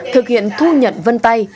thực hiện thu nhận vân tay